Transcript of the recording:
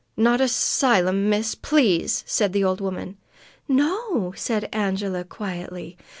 "Not a 'sylum, miss, please!" said the old woman. "No," said Angela quietly.